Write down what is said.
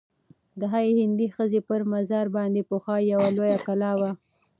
د هغه هندۍ ښځي پر مزار باندي پخوا یوه لویه کلا وه.